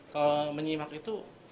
kalau menyimak itu